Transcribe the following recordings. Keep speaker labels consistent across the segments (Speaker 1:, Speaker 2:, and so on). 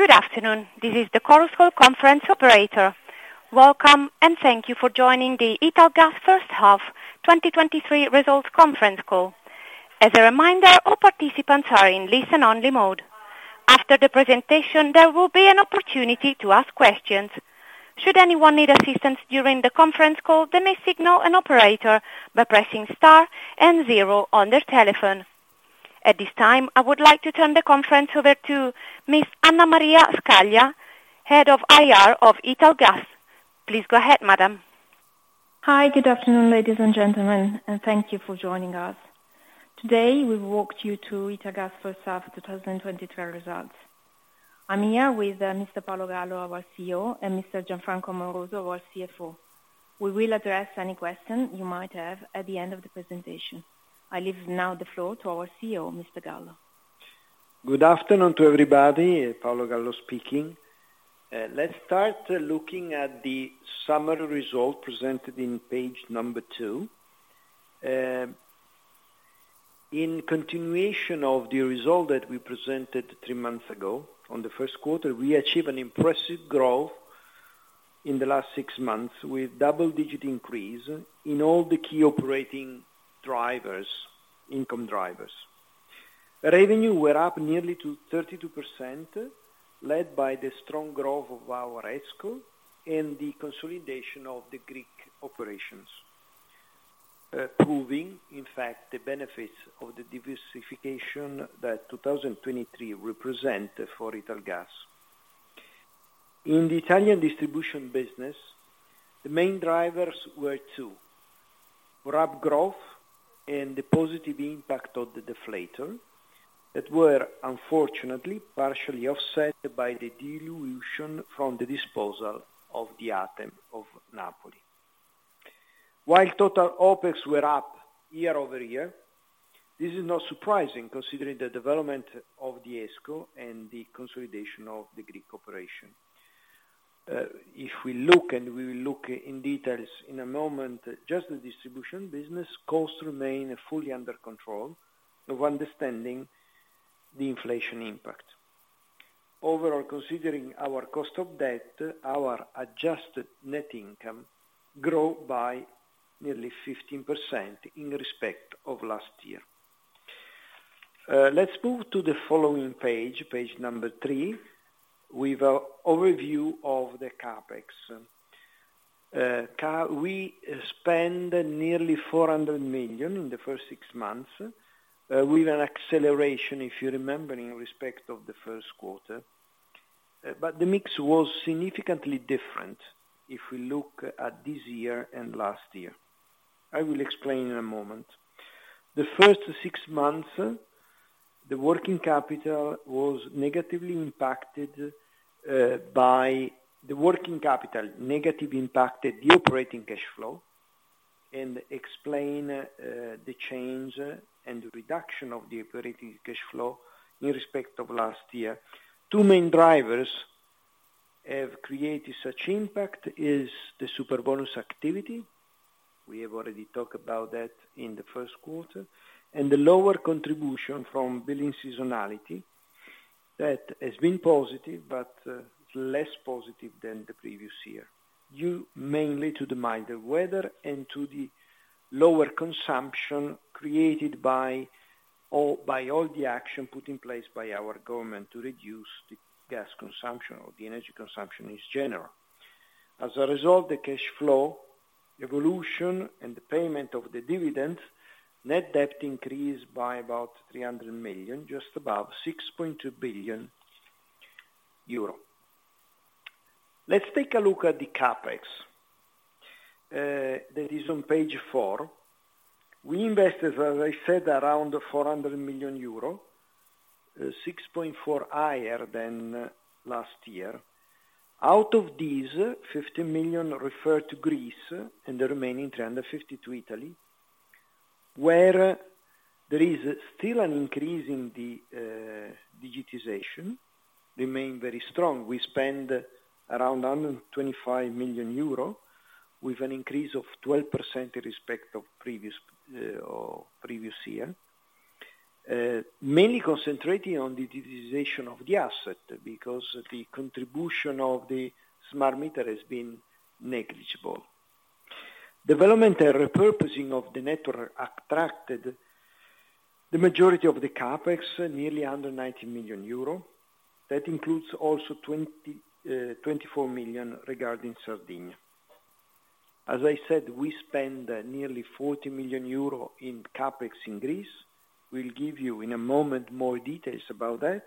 Speaker 1: Good afternoon. This is the Chorus Call Conference operator. Welcome, and thank you for joining the Italgas first half 2023 results Conference Call. As a reminder, all participants are in listen-only mode. After the presentation, there will be an opportunity to ask questions. Should anyone need assistance during the Conference Call, then they signal an operator by pressing star and zero on their telephone. At this time, I would like to turn the conference over to Miss Anna Maria Scaglia, Head of IR of Italgas. Please go ahead, madam.
Speaker 2: Hi. Good afternoon, ladies and gentlemen, and thank you for joining us. Today, we walk you through Italgas first half, 2023 results. I'm here with Mr. Paolo Gallo, our CEO, and Mr. Gianfranco Amoroso, our CFO. We will address any question you might have at the end of the presentation. I leave now the floor to our CEO, Mr. Gallo.
Speaker 3: Good afternoon to everybody, Paolo Gallo speaking. Let's start looking at the summary result presented in page number 2. In continuation of the result that we presented three months ago, on the first quarter, we achieved an impressive growth in the last six months, with double-digit increase in all the key operating drivers, income drivers. Revenue were up nearly to 32%, led by the strong growth of our ESCo and the consolidation of the Greek operations, proving, in fact, the benefits of the diversification that 2023 represent for Italgas. In the Italian distribution business, the main drivers were two: RAB growth and the positive impact of the deflator, that were unfortunately partially offset by the dilution from the disposal of the ATEM of Napoli. While total OPEX were up year-over-year, this is not surprising, considering the development of the ESCo and the consolidation of the Greek operation. If we look, and we will look in details in a moment, just the distribution business costs remain fully under control of understanding the inflation impact. Overall, considering our cost of debt, our adjusted net income grow by nearly 15% in respect of last year. Let's move to the following page number three, with a overview of the CapEx. We spent nearly 400 million in the first six months, with an acceleration, if you remember, in respect of the first quarter. The mix was significantly different, if we look at this year and last year. I will explain in a moment. The first six months, the working capital was negatively impacted, by... The working capital, negatively impacted the operating cash flow and explain the change and the reduction of the operating cash flow in respect of last year. Two main drivers have created such impact, is the Superbonus activity, we have already talked about that in the first quarter, and the lower contribution from billing seasonality, that has been positive, but less positive than the previous year, due mainly to the milder weather and to the lower consumption created by all the action put in place by our government to reduce the gas consumption or the energy consumption in general. As a result, the cash flow, evolution, and the payment of the dividend, net debt increased by about 300 million, just about 6.2 billion euro. Let's take a look at the CapEx that is on page four. We invested, as I said, around 400 million euro, 6.4% higher than last year. Out of these, 50 million refer to Greece, and the remaining 350 million to Italy, where there is still an increase in the digitization, remain very strong. We spend around 125 million euro, with an increase of 12% in respect of previous year. Mainly concentrating on the digitization of the asset, because the contribution of the smart meter has been negligible. Development and repurposing of the network attracted the majority of the CapEx, nearly under 90 million euro. That includes also 24 million regarding Sardinia. As I said, we spend nearly 40 million euro in CapEx in Greece. We'll give you, in a moment, more details about that.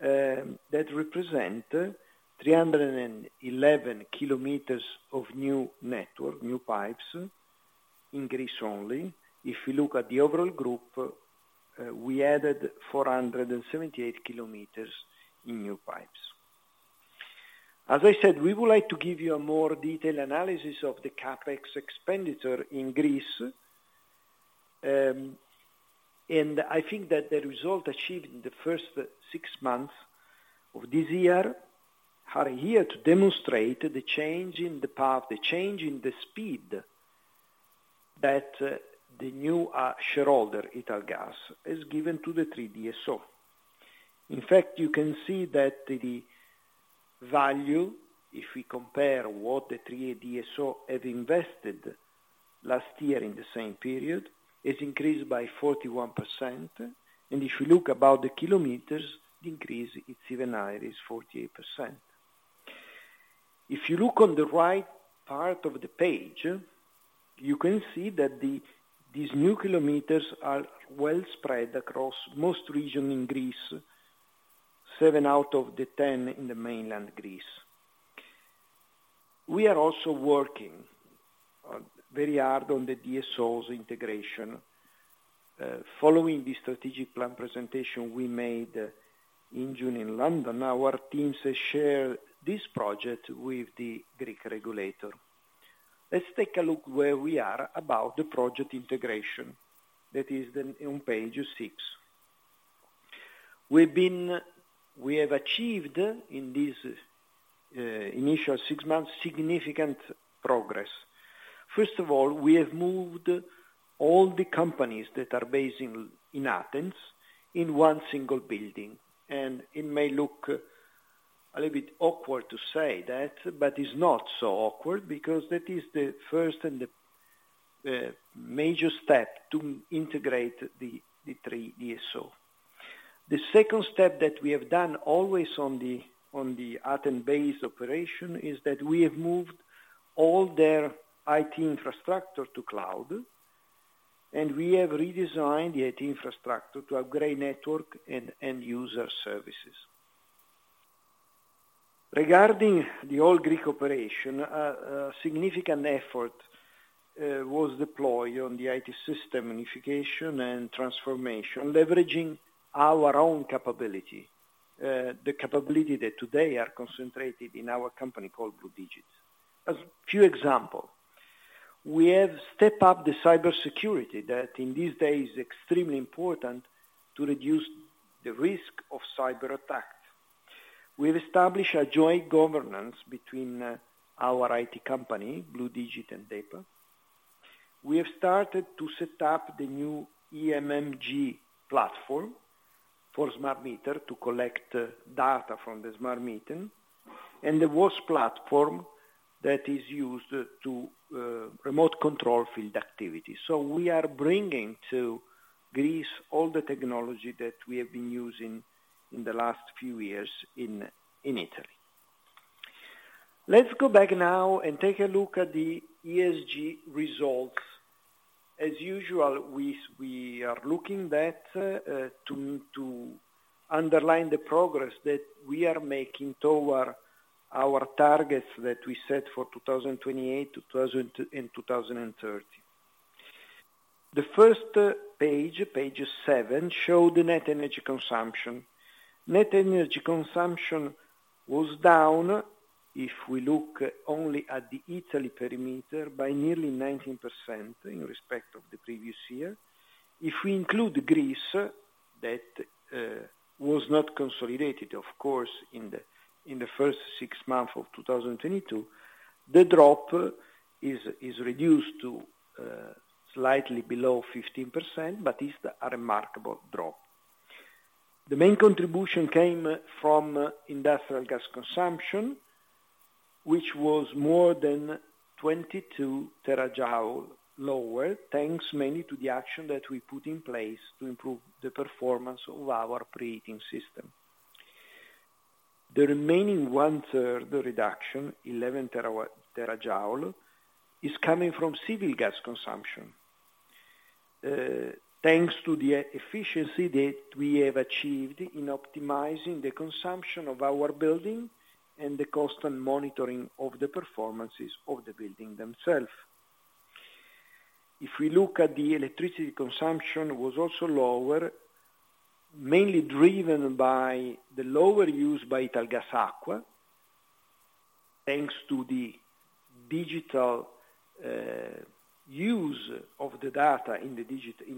Speaker 3: That represent 311 km of new network, new pipes in Greece only. If you look at the overall group, we added 478 km in new pipes. As I said, we would like to give you a more detailed analysis of the CapEx expenditure in Greece. I think that the result achieved in the first six months of this year, are here to demonstrate the change in the path, the change in the speed that the new shareholder, Italgas, has given to the three DSO. You can see that the value, if we compare what the three DSO have invested last year in the same period, is increased by 41%. If you look about the kilometers, the increase is even higher, it's 48%. If you look on the right part of the page, you can see that these new kilometers are well spread across most region in Greece, 7 out of the 10 in the mainland Greece. We are also working very hard on the DSOs integration. Following the strategic plan presentation we made in June in London, our teams have shared this project with the Greek regulator. Let's take a look where we are about the project integration. That is on page six. We have achieved, in this initial six months, significant progress. First of all, we have moved all the companies that are based in Athens, in one single building, it may look a little bit awkward to say that, but it's not so awkward because that is the first and major step to integrate the three DSO. The second step that we have done, always on the Athens-based operation, is that we have moved all their IT infrastructure to cloud, we have redesigned the IT infrastructure to upgrade network and user services. Regarding the all Greek operation, a significant effort was deployed on the IT system unification and transformation, leveraging our own capability, the capability that today are concentrated in our company called Bludigit. As few example, we have stepped up the cybersecurity, that in these days, is extremely important to reduce the risk of cyberattack. We've established a joint governance between our IT company, Bludigit and DEPA. We have started to set up the new EMMG platform for smart meter, to collect data from the smart meter, and the WOS platform that is used to remote control field activity. We are bringing to Greece all the technology that we have been using in the last few years in Italy. Let's go back now and take a look at the ESG results. As usual, we are looking back to underline the progress that we are making toward our targets that we set for 2028 to 2030. The first page seven, show the net energy consumption. Net energy consumption was down, if we look only at the Italy perimeter, by nearly 19% in respect of the previous year. If we include Greece, that was not consolidated, of course, in the first six months of 2022, the drop is reduced to slightly below 15%, but it's a remarkable drop. The main contribution came from industrial gas consumption, which was more than 22 TJ lower, thanks mainly to the action that we put in place to improve the performance of our pre-heating system. The remaining one-third reduction, 11 TJ, is coming from civil gas consumption. Thanks to the efficiency that we have achieved in optimizing the consumption of our building and the cost and monitoring of the performances of the building themselves. If we look at the electricity consumption, was also lower, mainly driven by the lower use by Italgas Acqua, thanks to the digital use of the data in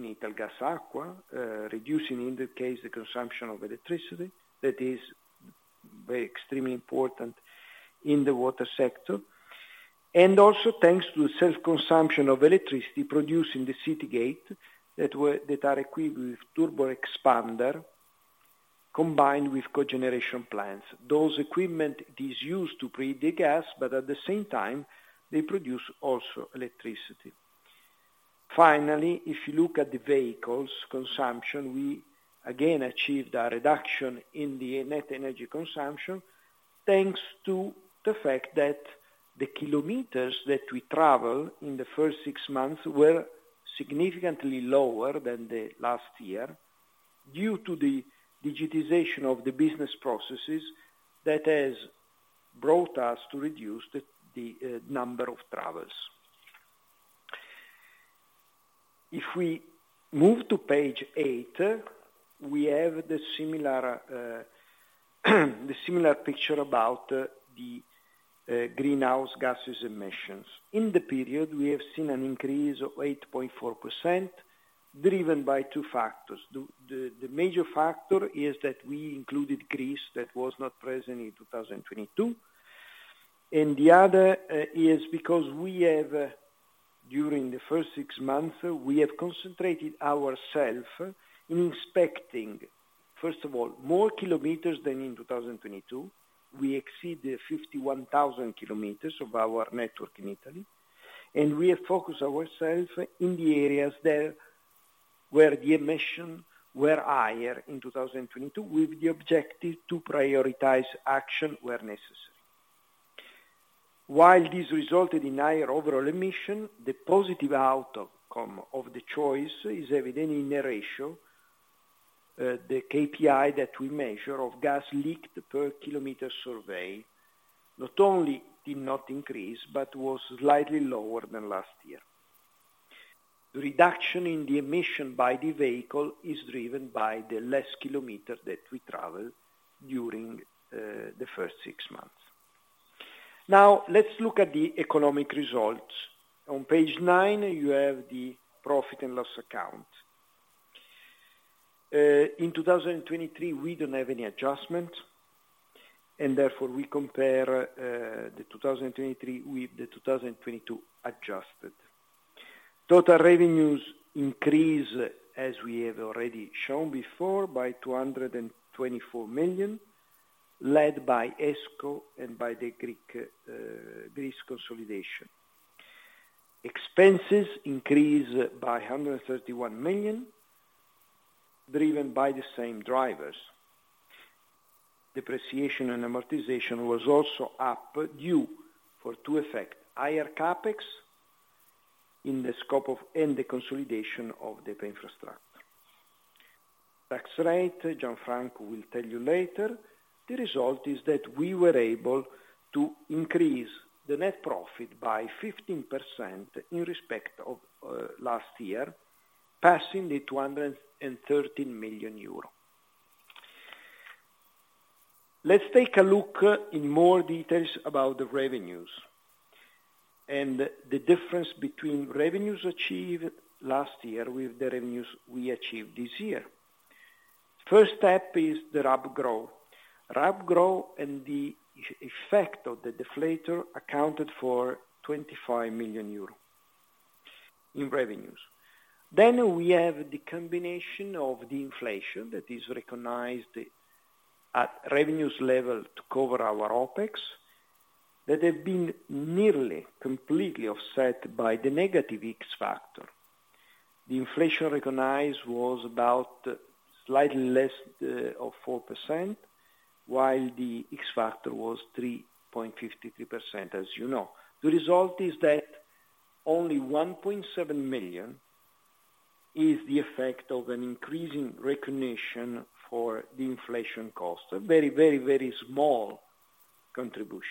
Speaker 3: Italgas Acqua, reducing, in the case, the consumption of electricity. That is very extremely important in the water sector. Thanks to the self-consumption of electricity produced in the city gate, that are equipped with turbo-expander, combined with cogeneration plants. Those equipment is used to pre-heat the gas, at the same time, they produce also electricity. Finally, if you look at the vehicles consumption, we again achieved a reduction in the net energy consumption, thanks to the fact that the kilometers that we travel in the first six months were significantly lower than the last year, due to the digitization of the business processes that has brought us to reduce the number of travels. If we move to page eight, we have the similar picture about the greenhouse gas emissions. In the period, we have seen an increase of 8.4%, driven by 2 factors. The major factor is that we included Greece, that was not present in 2022. The other is because we have, during the six months, concentrated ourself in inspecting, first of all, more kilometers than in 2022. We exceed the 51,000 km of our network in Italy, and we have focused ourselves in the areas that, where the emission were higher in 2022, with the objective to prioritize action where necessary. While this resulted in higher overall emission, the positive outcome of the choice is evident in the ratio, the KPI that we measure of gas leaked per kilometer survey, not only did not increase, but was slightly lower than last year. The reduction in the emission by the vehicle is driven by the less kilometer that we travel during the first six months. Let's look at the economic results. On page nine, you have the profit and loss account. In 2023, we don't have any adjustment, we compare the 2023 with the 2022 adjusted. Total revenues increase, as we have already shown before, by 224 million, led by ESCo and by the Greek Greece consolidation. Expenses increase by 131 million, driven by the same drivers. Depreciation and amortization was also up, due for two effect, higher CapEx in the scope of, and the consolidation of the infrastructure. Tax rate, Gianfranco will tell you later. The result is that we were able to increase the net profit by 15% in respect of last year, passing the 213 million euro. Let's take a look in more details about the revenues and the difference between revenues achieved last year with the revenues we achieved this year. First step is the RAB growth. RAB growth and the effect of the deflator accounted for 25 million euro in revenues. We have the combination of the inflation that is recognized at revenues level to cover our OpEx, that have been nearly completely offset by the negative X factor. The inflation recognized was about slightly less of 4%, while the X factor was 3.53%, as you know. The result is that only 1.7 million is the effect of an increasing recognition for the inflation cost. A very, very, very small contribution.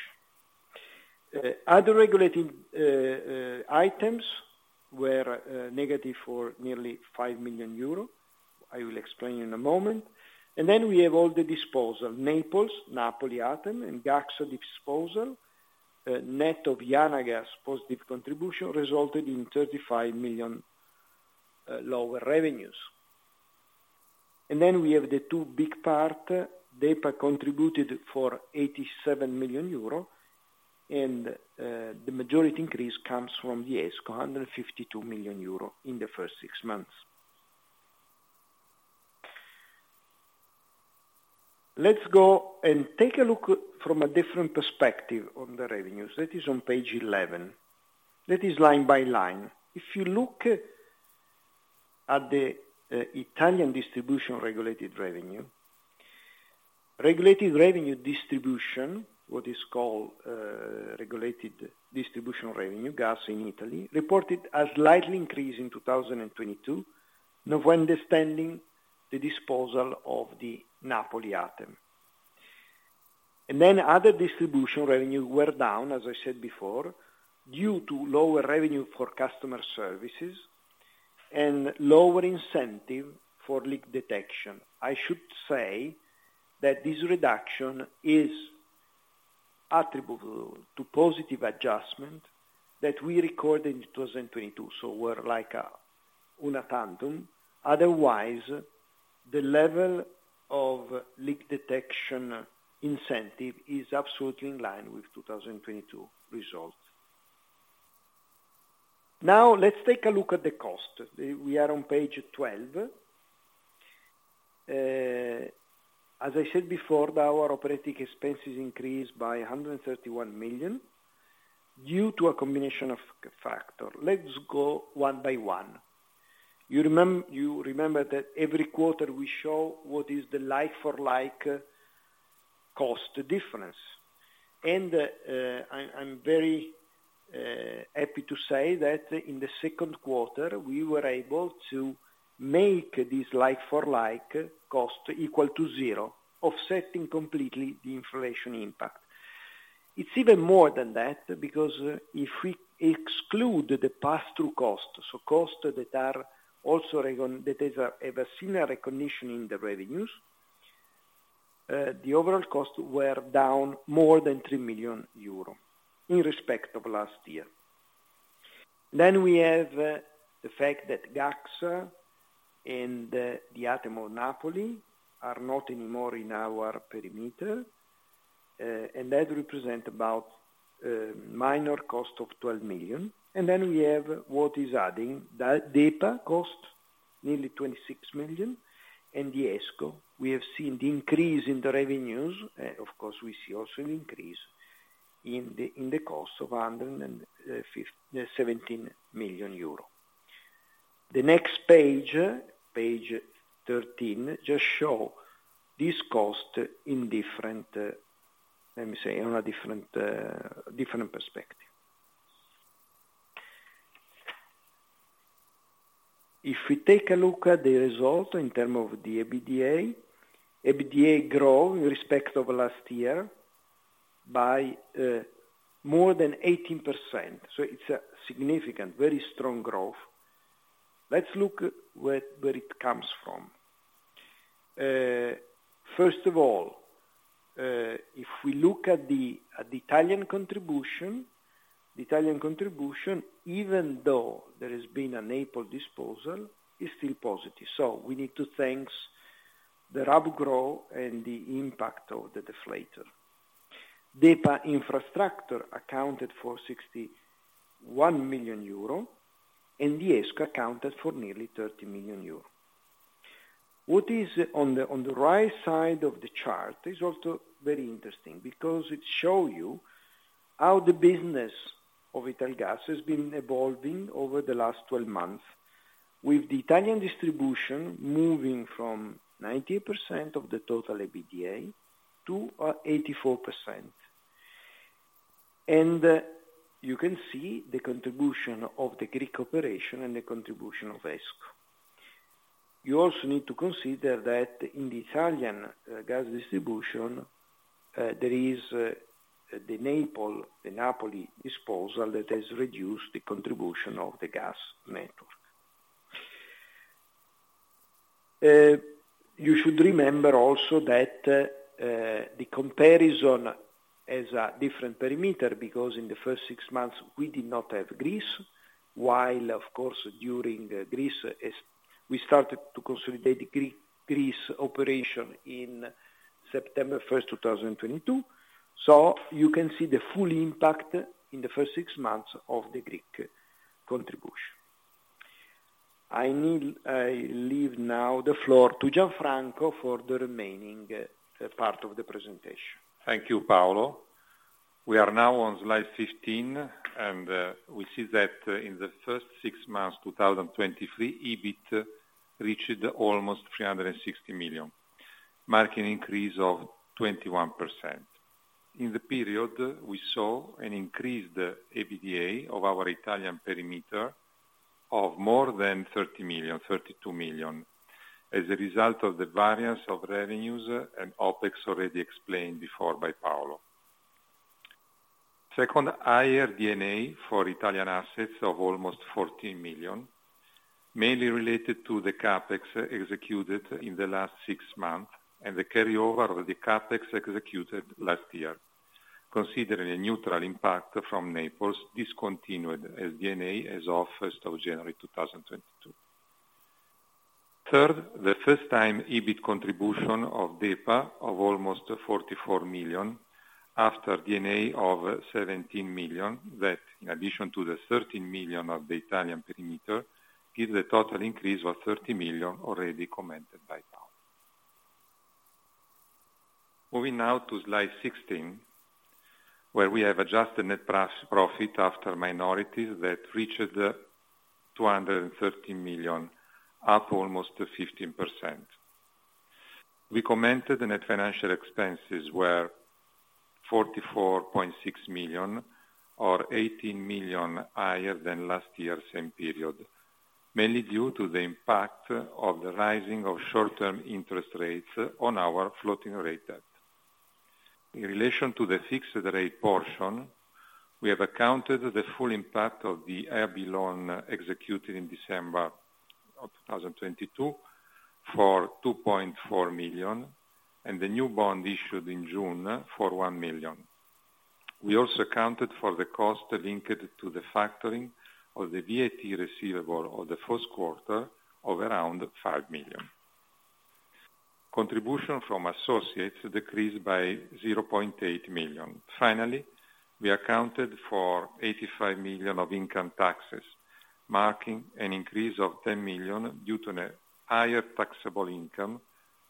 Speaker 3: Other regulating items were negative for nearly 5 million euro. I will explain in a moment. We have all the disposal, Naples, Napoli ATEM, and Gaxa disposal, net of Janagas positive contribution, resulted in 35 million lower revenues. We have the two big part, DEPA contributed for 87 million euro, and the majority increase comes from the ESCo, 152 million euro in the first six months. Let's go and take a look from a different perspective on the revenues. That is on page 11. That is line by line. If you look at the Italian distribution regulated revenue, regulated revenue distribution, what is called regulated distribution revenue, gas in Italy, reported a slightly increase in 2022, notwithstanding the disposal of the Napoli ATEM. Other distribution revenue were down, as I said before, due to lower revenue for customer services and lower incentive for leak detection. I should say that this reduction is attributable to positive adjustment that we recorded in 2022, so were like a una tandem. Otherwise, the level of leak detection incentive is absolutely in line with 2022 results. Let's take a look at the cost. We are on page 12. As I said before, our operating expenses increased by 131 million due to a combination of factor. Let's go one by one. You remember that every quarter we show what is the like-for-like cost difference. I'm very happy to say that in the second quarter, we were able to make this like-for-like cost equal to 0, offsetting completely the inflation impact. It's even more than that, because if we exclude the pass-through cost, so costs that are also recon. That is, have a similar recognition in the revenues, the overall costs were down more than 3 million euro in respect of last year. We have the fact that Gaxa and the ATEM of Napoli are not anymore in our perimeter, and that represent about minor cost of 12 million. We have what is adding, the DEPA cost, nearly 26 million, and the ESCo. We have seen the increase in the revenues, of course, we see also an increase in the cost of 117 million euro. The next page 13, just show this cost in different, let me say, in a different perspective. If we take a look at the result in term of the EBITDA. EBITDA grow in respect of last year by more than 18%, so it's a significant, very strong growth. Let's look at where it comes from. First of all, if we look at the Italian contribution, the Italian contribution, even though there has been a Naples disposal, is still positive. We need to thanks the RAB growth and the impact of the deflator. DEPA Infrastructure accounted for 61 million euro, and the ESCo accounted for nearly 30 million euro. What is on the right side of the chart is also very interesting, because it show you how the business of Italgas has been evolving over the last 12 months, with the Italian distribution moving from 90% of the total EBITDA to 84%. You can see the contribution of the Greek operation and the contribution of ESCo. You also need to consider that in the Italian gas distribution, there is the Naples, the Napoli disposal that has reduced the contribution of the gas network. You should remember also that the comparison has a different perimeter, because in the first six months, we did not have Greece, while, of course, during Greece, as we started to consolidate the Greece operation in September 1st, 2022. You can see the full impact in the first six months of the Greek contribution. I leave now the floor to Gianfranco for the remaining part of the presentation.
Speaker 4: Thank you, Paolo. We are now on slide 15. We see that in the first six months, 2023, EBIT reached almost 360 million, marking increase of 21%. In the period, we saw an increased EBITDA of our Italian perimeter of more than 32 million, as a result of the variance of revenues and OpEx already explained before by Paolo. Second, higher DNA for Italian assets of almost 14 million, mainly related to the CapEx executed in the last six months, and the carryover of the CapEx executed last year, considering a neutral impact from Naples, discontinued as DNA as of first of January, 2022. Third, the first time EBIT contribution of DEPA of almost 44 million, after DNA of 17 million, that in addition to the 13 million of the Italian perimeter, gives a total increase of 30 million already commented by Paolo. Moving now to slide 16, where we have adjusted net profit after minorities that reached 213 million, up almost 15%. We commented the net financial expenses were 44.6 million, or 18 million higher than last year same period, mainly due to the impact of the rising of short-term interest rates on our floating rate debt. In relation to the fixed rate portion, we have accounted the full impact of the EIB loan executed in December of 2022 for 2.4 million, and the new bond issued in June for 1 million. We also accounted for the cost linked to the factoring of the VAT receivable of the first quarter of around 5 million. Contribution from associates decreased by 0.8 million. Finally, we accounted for 85 million of income taxes, marking an increase of 10 million due to the higher taxable income,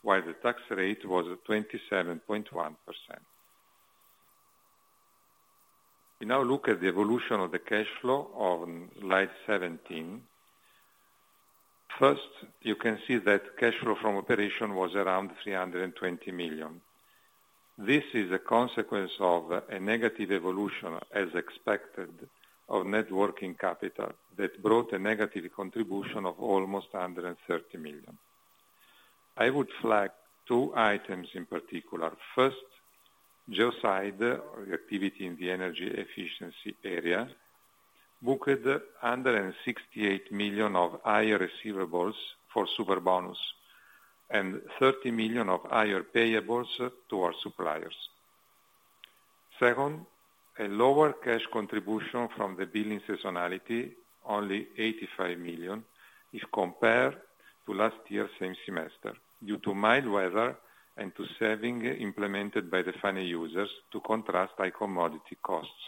Speaker 4: while the Tax rate was 27.1%. We now look at the evolution of the cash flow on slide 17. First, you can see that cash flow from operation was around 320 million. This is a consequence of a negative evolution, as expected, of net working capital that brought a negative contribution of almost 130 million. I would flag two items in particular. Geoside, our activity in the energy efficiency area, booked 168 million of higher receivables for Superbonus and 30 million of higher payables to our suppliers. A lower cash contribution from the billing seasonality, only 85 million, if compared to last year, same semester, due to mild weather and to saving implemented by the final users to contrast high commodity costs.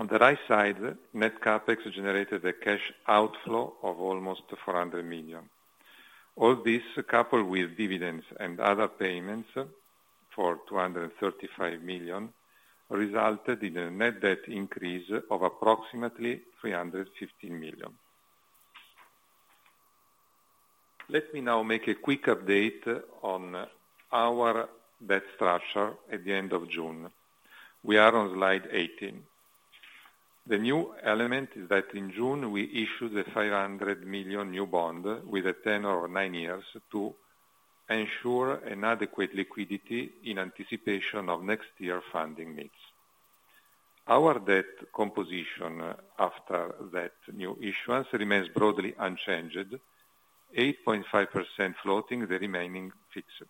Speaker 4: Net CapEx generated a cash outflow of almost 400 million. Coupled with dividends and other payments for 235 million, resulted in a net debt increase of approximately 315 million. Make a quick update on our debt structure at the end of June. We are on slide 18. The new element is that in June, we issued a 500 million new bond with a 10 or 9 years, to ensure an adequate liquidity in anticipation of next year funding needs. Our debt composition after that new issuance remains broadly unchanged, 8.5% floating, the remaining fixed.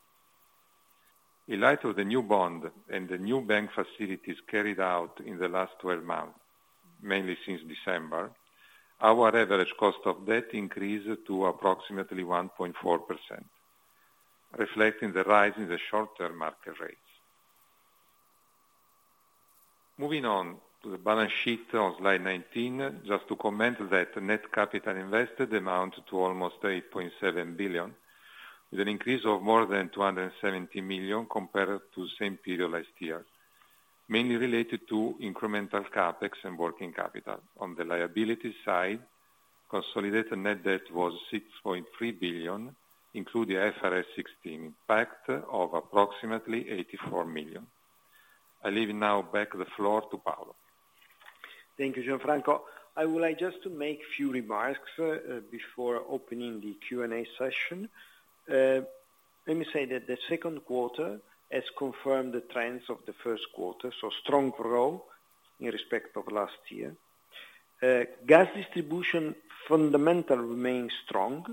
Speaker 4: In light of the new bond and the new bank facilities carried out in the last 12 months, mainly since December, our average cost of debt increased to approximately 1.4%, reflecting the rise in the short-term market rates. Moving on to the balance sheet on slide 19, just to comment that net capital invested amount to almost 8.7 billion, with an increase of more than 270 million compared to the same period last year, mainly related to incremental CapEx and working capital. On the liability side, consolidated net debt was 6.3 billion, including IFRS 16 impact of approximately 84 million. I leave now back the floor to Paolo.
Speaker 3: Thank you, Gianfranco. I would like just to make few remarks before opening the Q&A session. Let me say that the second quarter has confirmed the trends of the first quarter, so strong growth in respect of last year. Gas distribution fundamental remains strong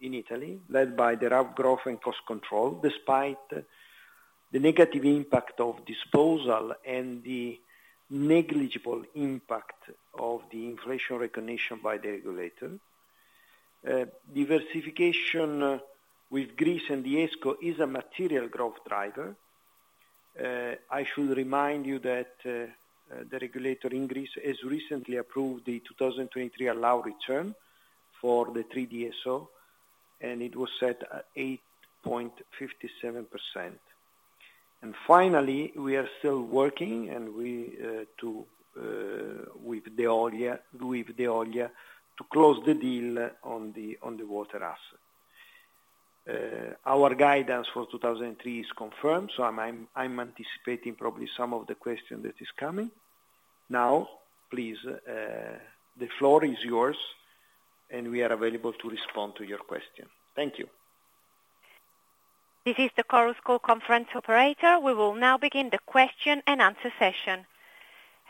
Speaker 3: in Italy, led by the RAB growth and cost control, despite the negative impact of disposal and the negligible impact of the inflation recognition by the regulator. Diversification with Greece and the ESCo is a material growth driver. I should remind you that the regulator in Greece has recently approved the 2023 allow return for the 3 DSO, and it was set at 8.57%. Finally, we are still working with the DEPA to close the deal on the water asset. Our guidance for 2003 is confirmed, so I'm anticipating probably some of the question that is coming. Please, the floor is yours, and we are available to respond to your question. Thank you.
Speaker 1: This is the Chorus Call Conference operator. We will now begin the question and answer session.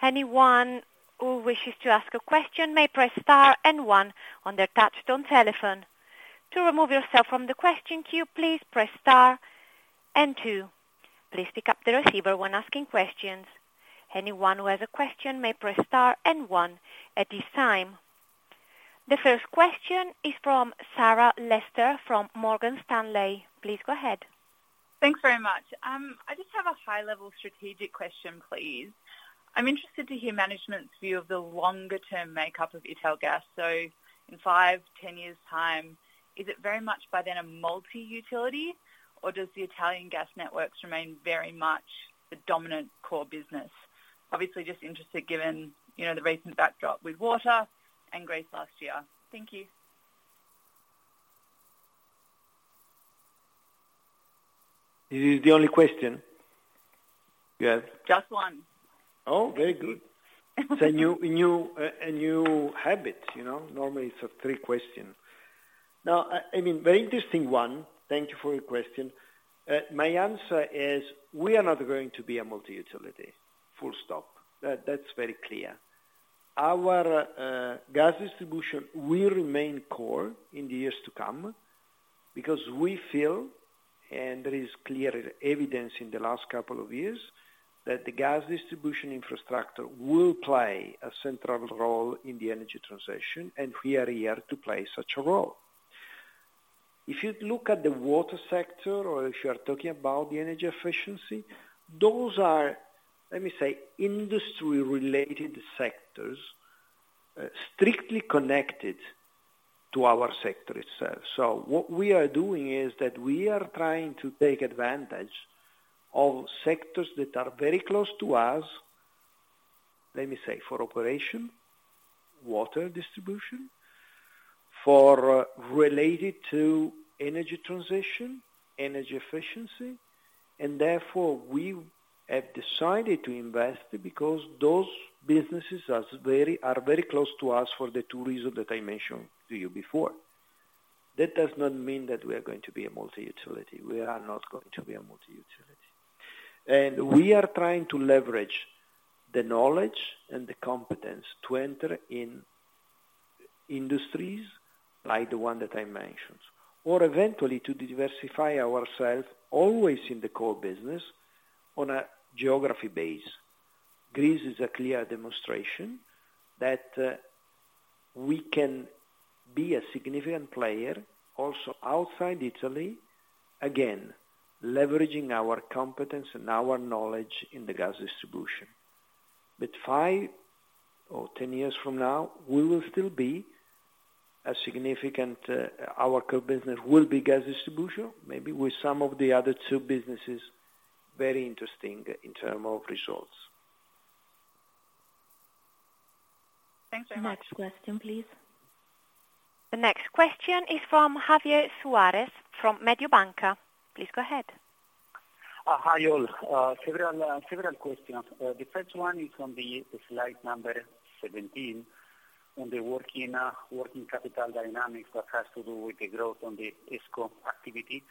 Speaker 1: Anyone who wishes to ask a question may press star and one on their touchtone telephone. To remove yourself from the question queue, please press star and two. Please pick up the receiver when asking questions. Anyone who has a question may press star and one at this time. The first question is from Sarah Lester, from Morgan Stanley. Please go ahead.
Speaker 5: Thanks very much. I just have a high-level strategic question, please. I'm interested to hear management's view of the longer-term makeup of Italgas. In 5, 10 years' time, is it very much by then a multi-utility, or does the Italian gas networks remain very much the dominant core business? Obviously, just interested, given, you know, the recent backdrop with water and Greece last year. Thank you.
Speaker 3: It is the only question you have?
Speaker 5: Just one.
Speaker 3: Oh, very good. It's a new habit, you know? Normally, it's three questions. I mean, very interesting one. Thank you for your question. My answer is we are not going to be a multi-utility, full stop. That, that's very clear. Our gas distribution will remain core in the years to come because we feel, and there is clear evidence in the last couple of years, that the gas distribution infrastructure will play a central role in the energy transition, and we are here to play such a role. If you look at the water sector, or if you are talking about the energy efficiency, those are, let me say, industry-related sectors, strictly connected to our sector itself. What we are doing is that we are trying to take advantage of sectors that are very close to us, let me say, for operation, water distribution, for related to energy transition, energy efficiency, and therefore we have decided to invest because those businesses are very close to us for the two reasons that I mentioned to you before. That does not mean that we are going to be a multi-utility. We are not going to be a multi-utility. We are trying to leverage the knowledge and the competence to enter industries, like the one that I mentioned, or eventually to diversify ourselves, always in the core business, on a geography base. Greece is a clear demonstration that we can be a significant player also outside Italy, again, leveraging our competence and our knowledge in the gas distribution. 5 or 10 years from now, we will still be a significant, our core business will be gas distribution, maybe with some of the other two businesses, very interesting in term of results.
Speaker 5: Thanks very much.
Speaker 2: Next question, please.
Speaker 1: The next question is from Javier Suarez, from Mediobanca. Please go ahead.
Speaker 6: Hi, all. Several questions. The first one is on the slide number 17, on the working capital dynamics, what has to do with the growth on the ESCo activity.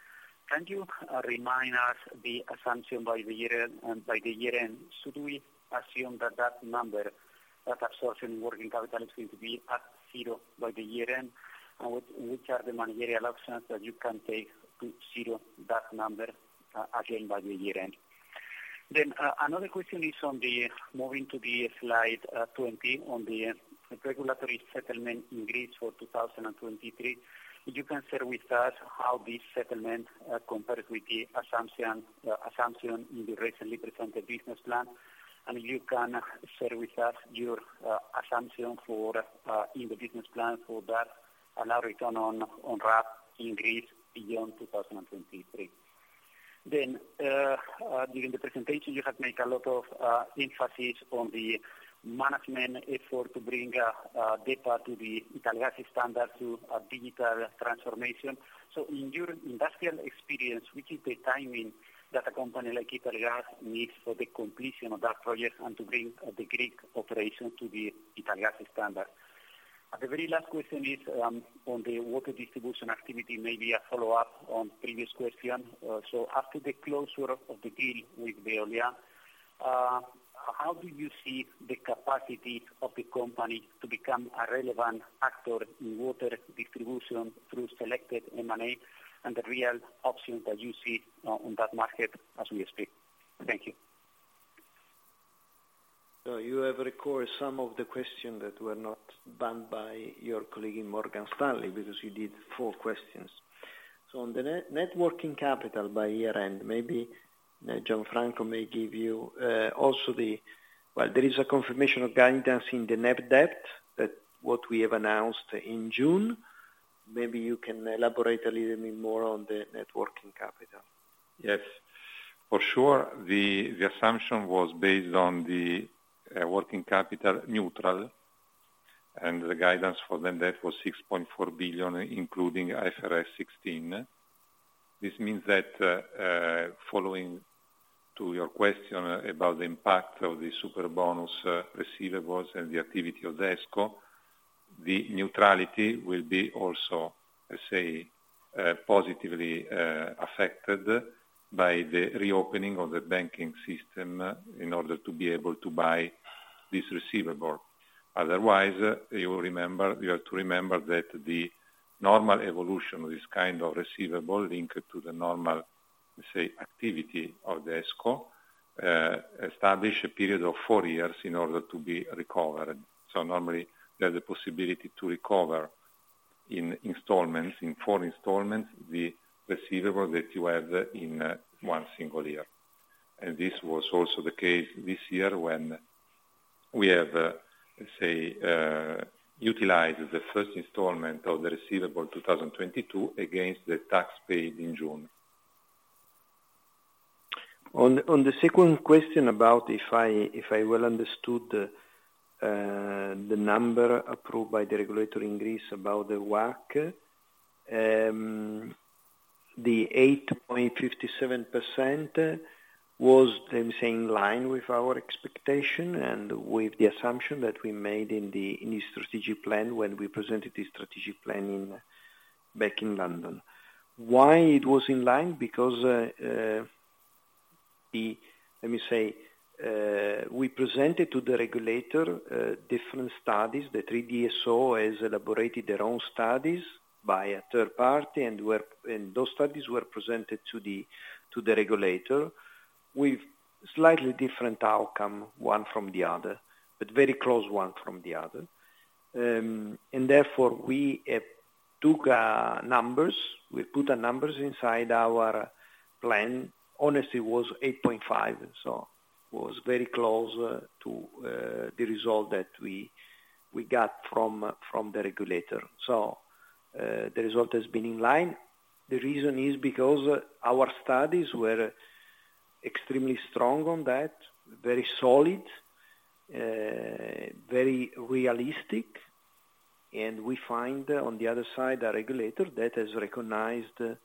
Speaker 6: Can you remind us the assumption by the year end, by the year end? Should we assume that that number, that absorption working capital, is going to be at zero by the year end? Which are the managerial options that you can take to zero that number, again, by the year end? Another question is moving to the slide, 20, on the regulatory settlement in Greece for 2023. You can share with us how this settlement compares with the assumption in the recently presented business plan. You can share with us your assumption for in the business plan for that, and our return on RAB in Greece beyond 2023. During the presentation, you have make a lot of emphasis on the management effort to bring DEPA to the Italgas standard, to a digital transformation. In your industrial experience, which is the timing that a company like Italgas needs for the completion of that project and to bring the Greek operation to the Italgas standard? The very last question is on the water distribution activity, maybe a follow-up on previous question. After the closure of the deal with Veolia, how do you see the capacity of the company to become a relevant actor in water distribution through selected M&A, and the real options that you see on that market as we speak? Thank you.
Speaker 3: You have recorded some of the questions that were not banned by your colleague in Morgan Stanley, because you did four questions. On the networking capital by year end, maybe Gianfranco may give you also the. Well, there is a confirmation of guidance in the net debt, that what we have announced in June. Maybe you can elaborate a little bit more on the networking capital.
Speaker 4: Yes. For sure, the assumption was based on the working capital neutral, and the guidance for the net was 6.4 billion, including IFRS 16. This means that, following to your question about the impact of the Superbonus, receivables and the activity of the ESCo, the neutrality will be also, let's say, positively affected by the reopening of the banking system in order to be able to buy this receivable. Otherwise, you have to remember that the normal evolution of this kind of receivable linked to the normal activity of the ESCo establish a period of four years in order to be recovered. Normally, there's a possibility to recover in installments, in four installments, the receivable that you have in one single year. This was also the case this year when we have utilized the first installment of the receivable 2022, against the tax paid in June.
Speaker 3: On the second question about if I well understood, the number approved by the regulator in Greece about the WACC, the 8.57% was, let me say, in line with our expectation and with the assumption that we made in the strategic plan when we presented the strategic plan in, back in London. Why it was in line? Because, let me say, we presented to the regulator different studies. The 3 DSOs have elaborated their own studies by a third party, and those studies were presented to the regulator, with slightly different outcome, one from the other, but very close one from the other. Therefore, we took numbers, we put numbers inside our plan. It was 8.5%, was very close to the result that we got from the regulator. The result has been in line. The reason is because our studies were extremely strong on that, very solid, very realistic, and we find on the other side, a regulator that has recognized the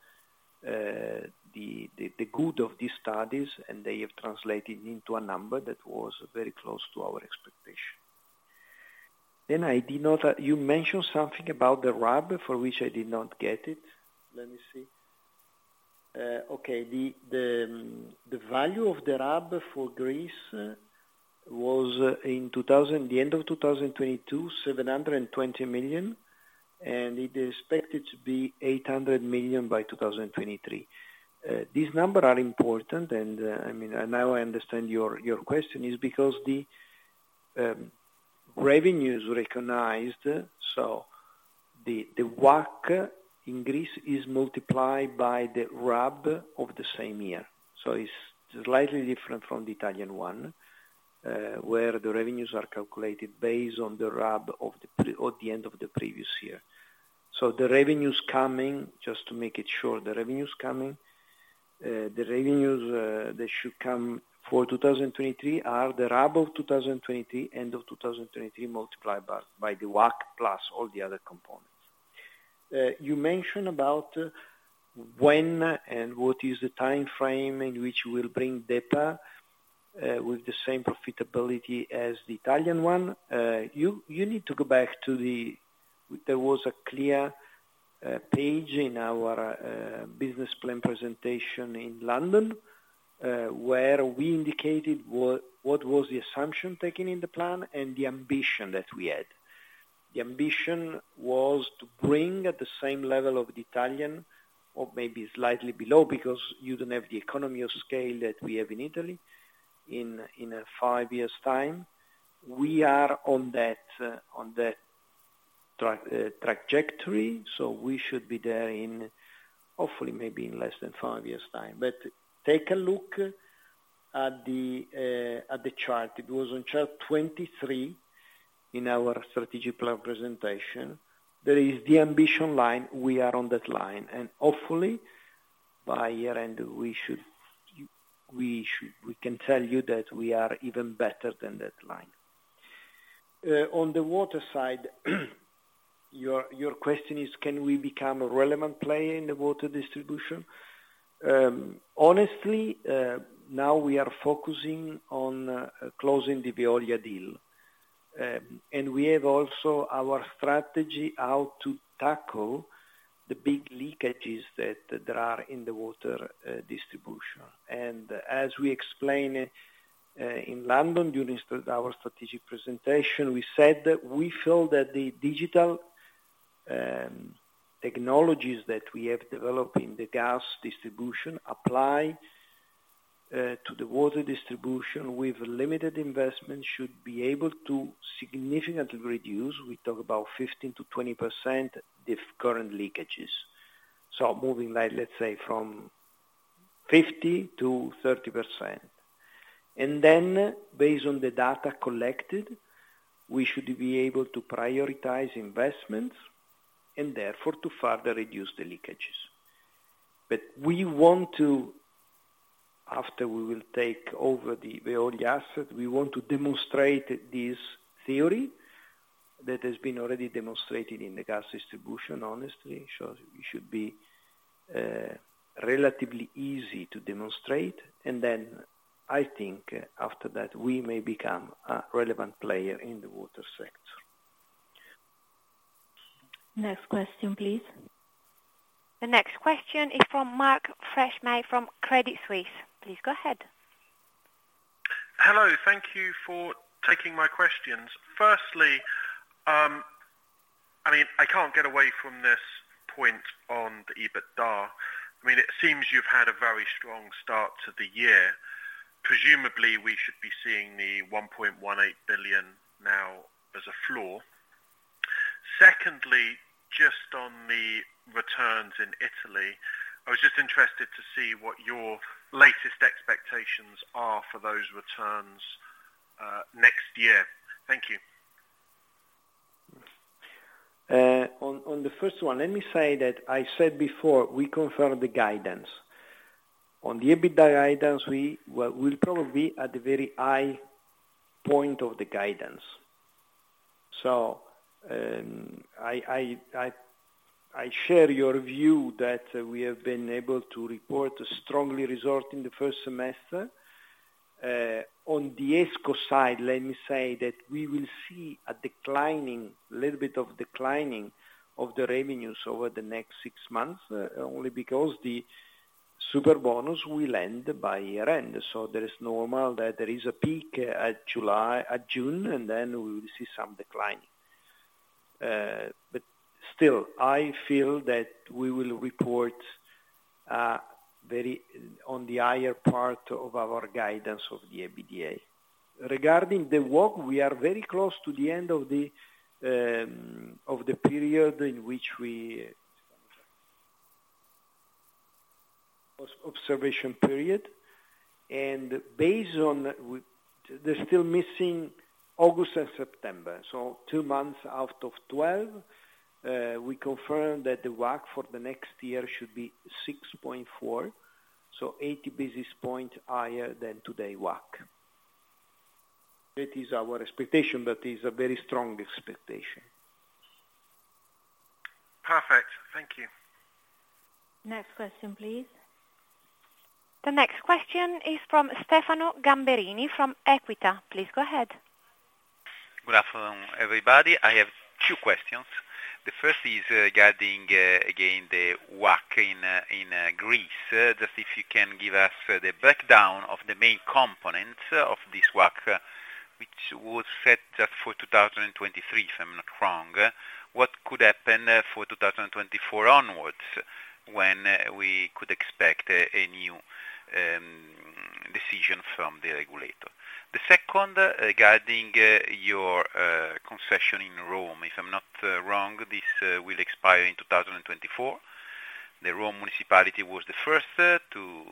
Speaker 3: good of these studies, and they have translated into a number that was very close to our expectation. You mentioned something about the RAB, for which I did not get it. Let me see. The value of the RAB for Greece was the end of 2022, 720 million, and it is expected to be 800 million by 2023. These numbers are important, I mean, now I understand your question, is because the revenues recognized, so the WACC in Greece is multiplied by the RAB of the same year. It's slightly different from the Italian one, where the revenues are calculated based on the RAB of the end of the previous year. The revenues coming, just to make it sure, the revenues that should come for 2023 are the RAB of 2020, end of 2023, multiplied by the WACC plus all the other components. You mentioned about when and what is the time frame in which we will bring DEPA with the same profitability as the Italian one. You need to go back to the... There was a clear, page in our business plan presentation in London, where we indicated what was the assumption taken in the plan and the ambition that we had. The ambition was to bring at the same level of the Italian, or maybe slightly below, because you don't have the economy of scale that we have in Italy, in five years time. We are on that, on that trajectory, so we should be there in, hopefully, maybe in less than five years' time. Take a look at the chart. It was on chart 23 in our strategic plan presentation. There is the ambition line. We are on that line. Hopefully, by year-end, we can tell you that we are even better than that line. tags. On the water side, your question is, can we become a relevant player in the water distribution? Honestly, now we are focusing on closing the Veolia deal. We have also our strategy how to tackle the big leakages that there are in the water distribution. As we explained in London, during our strategic presentation, we said that we feel that the digital technologies that we have developed in the gas distribution apply to the water distribution, with limited investment, should be able to significantly reduce, we talk about 15%-20%, the current leakages. So moving, like, let's say, from 50% to 30%. Then based on the data collected, we should be able to prioritize investments and therefore to further reduce the leakages. We want to, after we will take over the Veolia asset, we want to demonstrate this theory that has been already demonstrated in the gas distribution, honestly. It should be relatively easy to demonstrate, and then I think after that, we may become a relevant player in the water sector.
Speaker 2: Next question, please.
Speaker 1: The next question is from Mark Freshney from Credit Suisse. Please go ahead.
Speaker 7: Hello, thank you for taking my questions. Firstly, I mean, I can't get away from this point on the EBITDA. I mean, it seems you've had a very strong start to the year. Presumably, we should be seeing the 1.18 billion now as a floor. Secondly, just on the returns in Italy, I was just interested to see what your latest expectations are for those returns next year. Thank you.
Speaker 3: On the first one, let me say that I said before, we confirm the guidance. On the EBITDA guidance, we, well, we're probably at the very high point of the guidance. I share your view that we have been able to report a strongly result in the first semester. On the ESCo side, let me say that we will see a declining, little bit of declining of the revenues over the next six months, only because the Superbonus will end by year-end. There is normal, that there is a peak at July, at June, and then we will see some declining. Still, I feel that we will report on the higher part of our guidance of the EBITDA. Regarding the WACC, we are very close to the end of the of the period in which observation period. Based on they're still missing August and September. Two months out of 12, we confirm that the WACC for the next year should be 6.4. 80 basis point higher than today WACC. That is our expectation. Is a very strong expectation.
Speaker 7: Perfect. Thank you.
Speaker 2: Next question, please.
Speaker 1: The next question is from Stefano Gamberini, from Equita. Please go ahead.
Speaker 8: Good afternoon, everybody. I have two questions. The first is regarding again the WACC in Greece. Just if you can give us the breakdown of the main components of this WACC, which was set for 2023, if I'm not wrong. What could happen for 2024 onwards, when we could expect a new decision from the regulator? The second, regarding your concession in Rome. If I'm not wrong, this will expire in 2024. The Rome municipality was the first to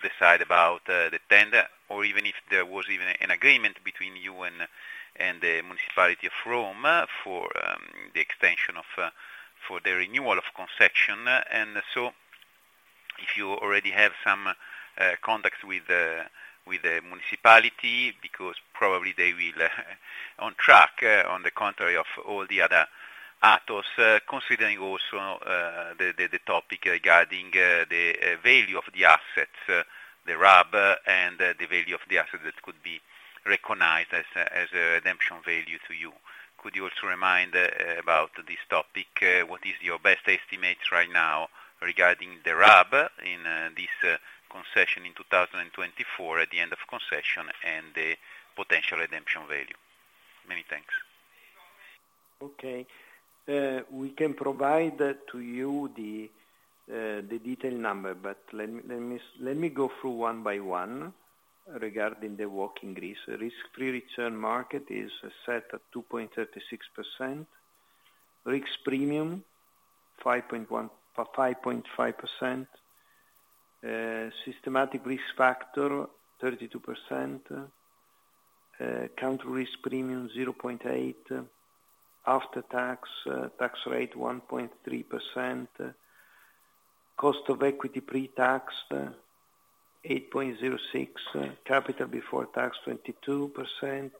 Speaker 8: decide about the tender, or even if there was even an agreement between you and the municipality of Rome for the renewal of concession? If you already have some contacts with the municipality, because probably they will, on track, on the contrary of all the other actors, considering also the topic regarding the value of the assets, the RAB, and the value of the assets that could be recognized as a redemption value to you. Could you also remind about this topic, what is your best estimate right now regarding the RAB in this concession in 2024, at the end of concession, and the potential redemption value? Many thanks.
Speaker 3: Okay. We can provide to you the detailed number, but let me go through one by one regarding the WACC in Greece. Risk-free return market is set at 2.36%. Risk premium, 5.5%. Systematic risk factor, 32%. Country risk premium, 0.8%. After tax rate, 1.3%. Cost of equity pre-tax, 8.06%. Capital before tax, 22%.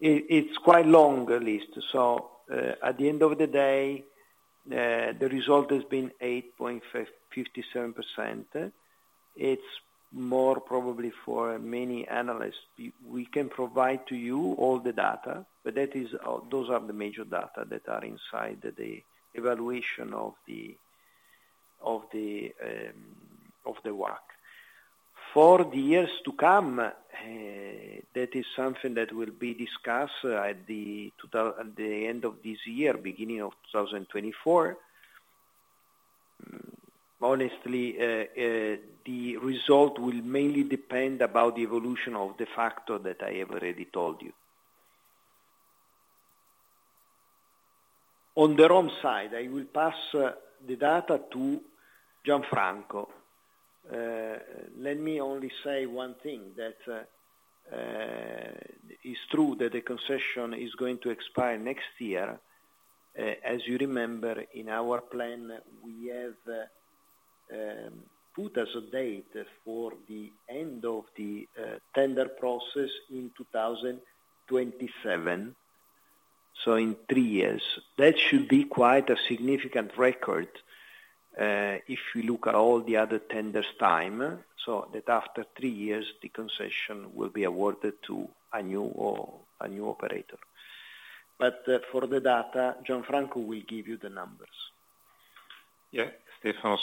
Speaker 3: It's quite long, the list, at the end of the day, the result has been 8.57%. It's more probably for many analysts. We can provide to you all the data, but that is, those are the major data that are inside the evaluation of the WACC. For the years to come, that is something that will be discussed at the end of this year, beginning of 2024. Honestly, the result will mainly depend about the evolution of the factor that I have already told you. On the Rome side, I will pass the data to Gianfranco. Let me only say one thing, that it's true that the concession is going to expire next year. As you remember, in our plan, we have put as a date for the end of the tender process in 2027, so in 3 years. That should be quite a significant record, if you look at all the other tenders time, so that after 3 years, the concession will be awarded to a new or a new operator. For the data, Gianfranco will give you the numbers.
Speaker 4: Stefano.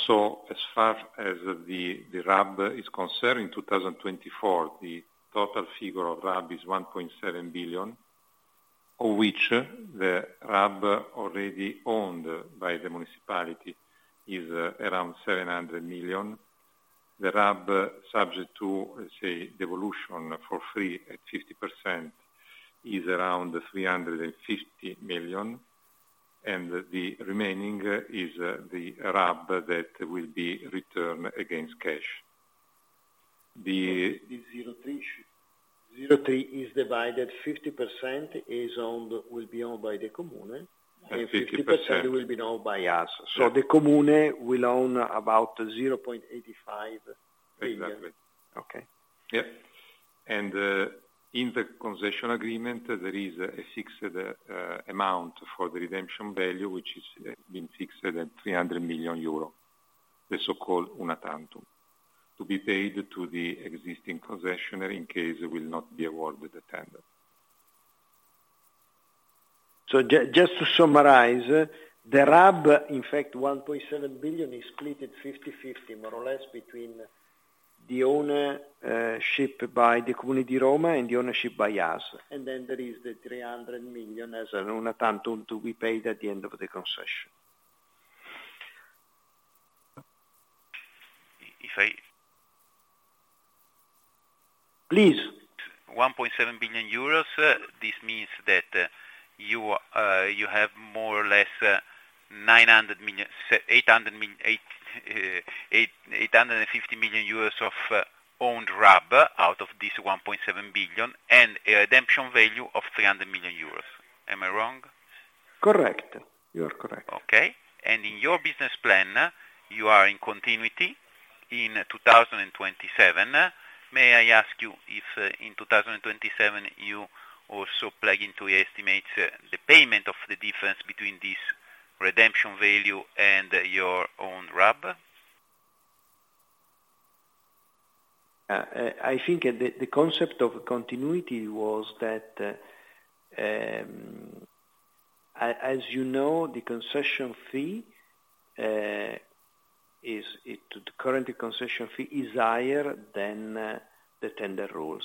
Speaker 4: As far as the RAB is concerned, in 2024, the total figure of RAB is 1.7 billion, of which the RAB already owned by the municipality is around 700 million. The RAB, subject to, let's say, devolution for free at 50%, is around 350 million. The remaining is the RAB that will be returned against cash.
Speaker 3: The 03 is divided. 50% is owned, will be owned by the comune-
Speaker 4: 50%.
Speaker 3: 50% will be owned by us. The comune will own about 0.85 billion.
Speaker 4: Exactly.
Speaker 3: Okay.
Speaker 4: Yeah. In the concession agreement, there is a fixed amount for the redemption value, which is been fixed at 300 million euro, the so-called una tantum, to be paid to the existing concessionaire in case it will not be awarded the tender.
Speaker 3: Just to summarize, the RAB, in fact, 1.7 billion, is split at 50/50, more or less, between the ownership by the Comune di Roma and the ownership by us. Then there is the 300 million as an una tantum to be paid at the end of the concession.
Speaker 8: If I?
Speaker 3: Please.
Speaker 8: 1.7 billion euros, this means that you have more or less 900 million, 800 million, 850 million euros of owned RAB out of this 1.7 billion, and a redemption value of 300 million euros. Am I wrong?
Speaker 3: Correct.
Speaker 4: You are correct.
Speaker 8: Okay. In your business plan, you are in continuity in 2027. May I ask you if in 2027, you also plug into your estimates the payment of the difference between this redemption value and your own RAB?
Speaker 3: I think the concept of continuity was that, as you know, the concession fee is the current concession fee is higher than the tender rules.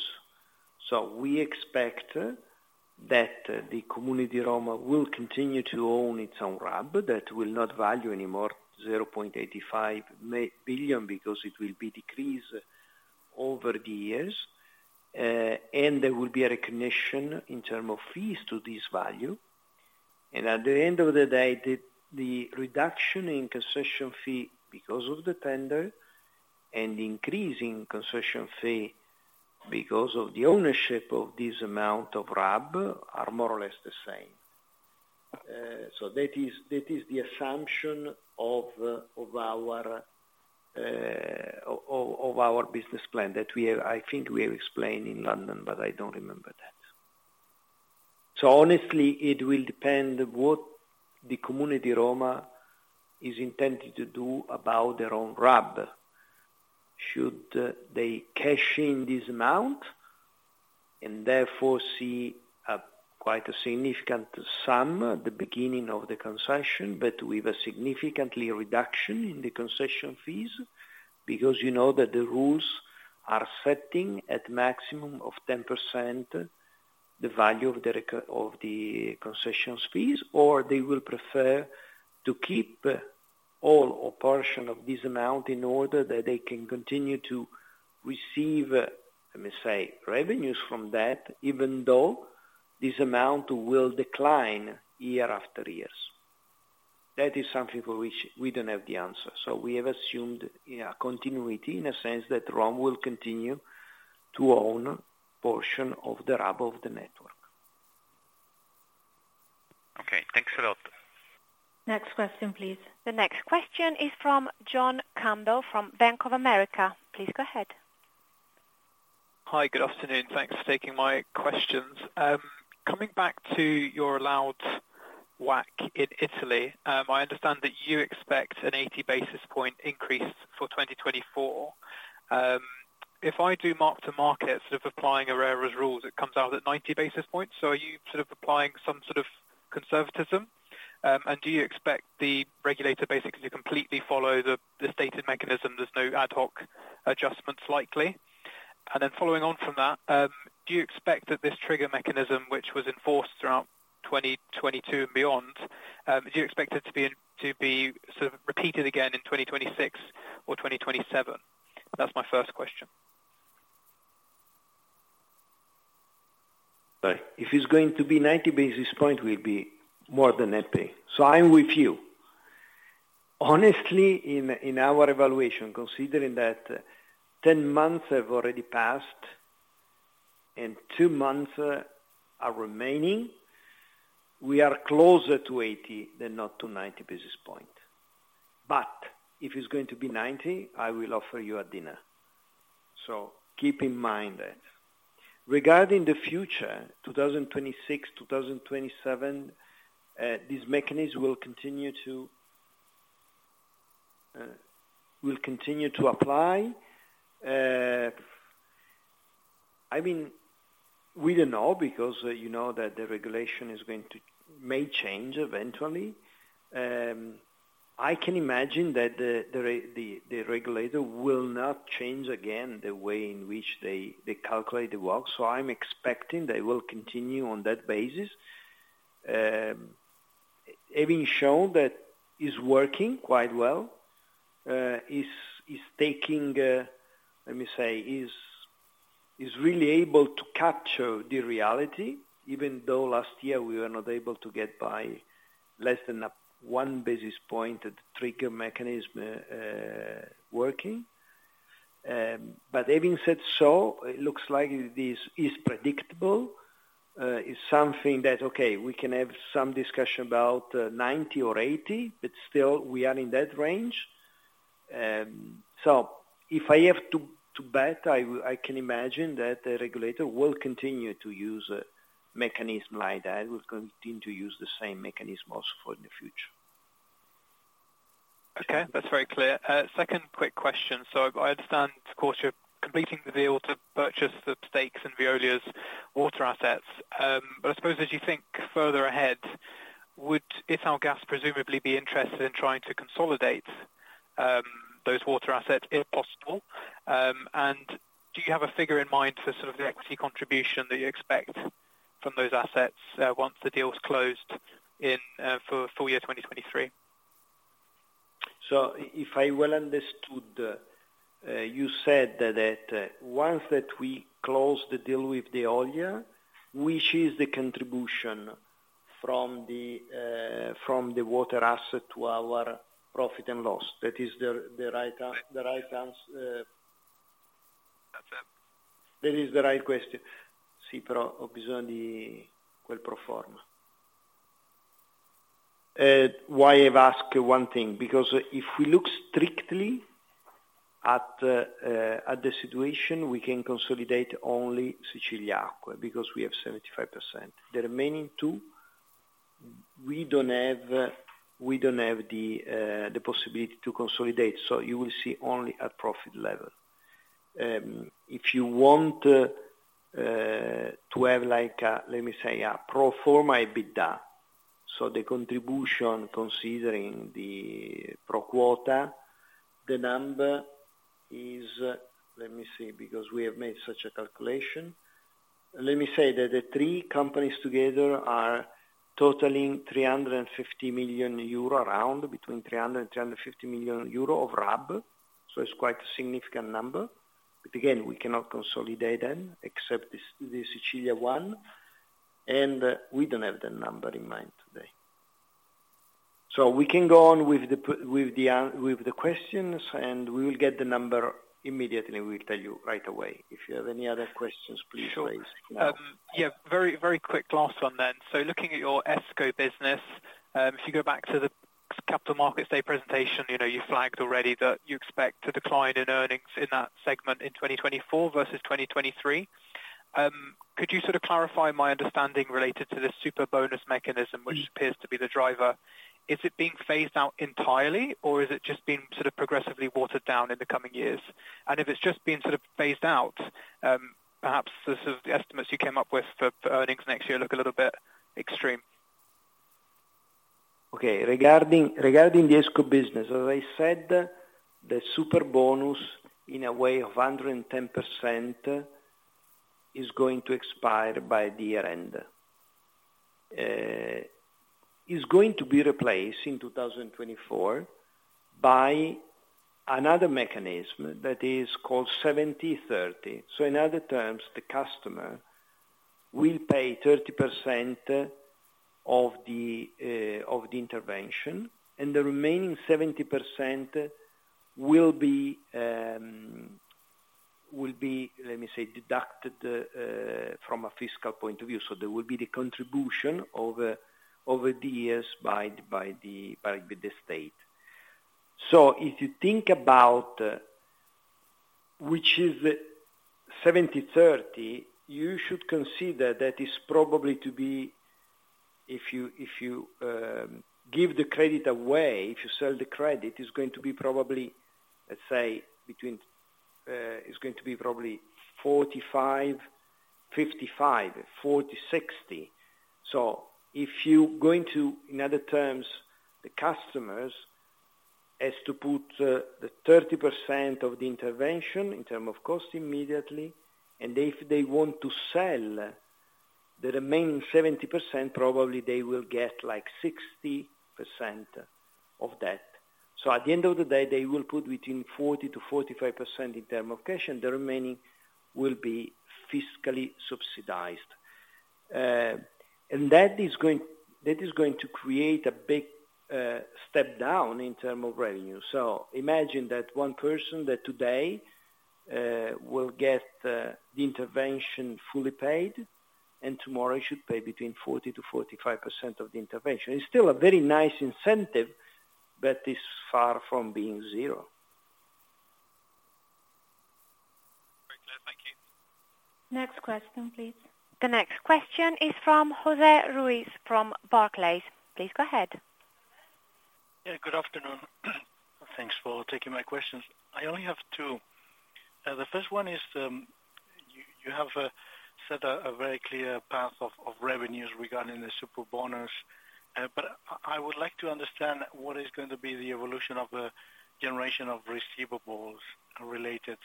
Speaker 3: We expect that the Comune di Roma will continue to own its own RAB, that will not value anymore 0.85 billion, because it will be decreased over the years, and there will be a recognition in term of fees to this value. At the end of the day, the reduction in concession fee, because of the tender, and increase in concession fee because of the ownership of this amount of RAB, are more or less the same. That is the assumption of our business plan that we have explained in London, but I don't remember that. Honestly, it will depend what the Comune di Roma is intended to do about their own RAB. Should they cash in this amount, and therefore see quite a significant sum at the beginning of the concession, but with a significantly reduction in the concession fees? You know that the rules are setting at maximum of 10%, the value of the concessions fees, or they will prefer to keep all or portion of this amount in order that they can continue to receive, let me say, revenues from that, even though this amount will decline year after years. That is something for which we don't have the answer. We have assumed, yeah, continuity, in a sense that Rome will continue to own portion of the RAB of the network.
Speaker 8: Okay, thanks a lot.
Speaker 2: Next question, please.
Speaker 1: The next question is from John Campbell, from Bank of America. Please go ahead.
Speaker 9: Hi, good afternoon. Thanks for taking my questions. Coming back to your allowed WACC in Italy, I understand that you expect an 80 basis point increase for 2024. If I do mark to market, sort of applying ARERA's rules, it comes out at 90 basis points. Are you sort of applying some sort of conservatism? Do you expect the regulator basically to completely follow the stated mechanism, there's no ad hoc adjustments likely? Following on from that, do you expect that this trigger mechanism, which was enforced throughout 2022 and beyond, do you expect it to be sort of repeated again in 2026 or 2027? That's my first question.
Speaker 3: If it's going to be 90 basis points, will be more than FP. I'm with you. Honestly, in our evaluation, considering that 10 months have already passed and two months are remaining, we are closer to 80 than not to 90 basis points. If it's going to be 90, I will offer you a dinner. Keep in mind that. Regarding the future, 2026, 2027, this mechanism will continue to apply. I mean, we don't know because, you know that the regulation may change eventually. I can imagine that the regulator will not change again, the way in which they calculate the work. I'm expecting they will continue on that basis. Having shown that it's working quite well, is taking, let me say, is really able to capture the reality, even though last year we were not able to get by less than 1 basis point at trigger mechanism working. Having said so, it looks like this is predictable. It's something that, okay, we can have some discussion about 90 or 80, but still we are in that range. If I have to bet, I can imagine that the regulator will continue to use a mechanism like that, will continue to use the same mechanism also for in the future.
Speaker 9: Okay, that's very clear. Second quick question? I understand, of course, you're completing the deal to purchase the stakes in Veolia's water assets. I suppose as you think further ahead, would Italgas presumably be interested in trying to consolidate, those water assets, if possible? Do you have a figure in mind for sort of the equity contribution that you expect from those assets, once the deal is closed in, for full year 2023?
Speaker 3: If I well understood, you said that, once that we close the deal with Veolia, which is the contribution from the water asset to our profit and loss? That is the right ans?
Speaker 9: That's it.
Speaker 3: That is the right question. Why I've asked one thing, because if we look strictly at the situation, we can consolidate only Siciliacque, because we have 75%. The remaining we don't have, we don't have the possibility to consolidate, so you will see only a profit level. If you want, to have, like, a, let me say, a pro forma EBITDA, so the contribution considering the pro quota, the number is, let me see, because we have made such a calculation. Let me say that the three companies together are totaling 350 million euro, around between 300 million-350 million euro of RAB, so it's quite a significant number. Again, we cannot consolidate them, except the Sicilia one, and we don't have the number in mind today. We can go on with the questions, and we will get the number immediately, and we'll tell you right away. If you have any other questions, please raise.
Speaker 9: Yeah, very, very quick last one. Looking at your ESCo business, if you go back to the capital markets day presentation, you know, you flagged already that you expect to decline in earnings in that segment in 2024 versus 2023. Could you sort of clarify my understanding related to this Superbonus mechanism, which appears to be the driver? Is it being phased out entirely, or is it just being sort of progressively watered down in the coming years? If it's just being sort of phased out, perhaps the sort of estimates you came up with for earnings next year look a little bit extreme.
Speaker 3: Okay, regarding the ESCo business, as I said, the Superbonus in a way of 110%, is going to expire by the year-end. is going to be replaced in 2024, by another mechanism that is called 70/30. In other terms, the customer will pay 30% of the intervention, and the remaining 70% will be, let me say, deducted from a fiscal point of view. There will be the contribution over the years by the state. If you think about, which is 70/30, you should consider that is probably to be, if you, if you give the credit away, if you sell the credit, It's going to be probably 45/55, 40/60. If you're going to, in other terms, the customers, has to put the 30% of the intervention in term of cost immediately, and if they want to sell the remaining 70%, probably they will get like 60% of that. At the end of the day, they will put between 40%-45% in term of cash, and the remaining will be fiscally subsidized. That is going to create a big step down in term of revenue. Imagine that one person that today will get the intervention fully paid, and tomorrow he should pay between 40%-45% of the intervention. It's still a very nice incentive, but it's far from being zero.
Speaker 9: Very clear. Thank you.
Speaker 2: Next question, please.
Speaker 1: The next question is from Jose Ruiz, from Barclays. Please go ahead.
Speaker 10: Good afternoon. Thanks for taking my questions. I only have two. The first one is, you have set a very clear path of revenues regarding the Superbonus. I would like to understand what is going to be the evolution of the generation of receivables related.